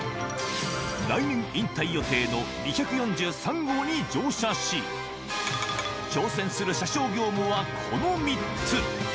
来年引退予定の２４３号に乗車し、挑戦する車掌業務はこの３つ。